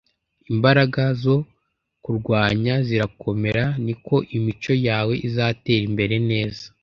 Imbaraga zo kurwanya zirakomera, niko imico yawe izatera imbere neza